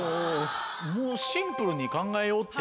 もうシンプルに考えようって。